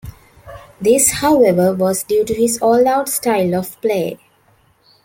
This, however, was due to his all-out style of play.